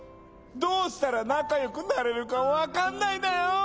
どうしたらなかよくなれるかわかんないんだよ！